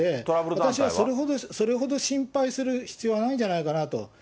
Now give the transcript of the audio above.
私はそれほど心配する必要はないんじゃないかなと。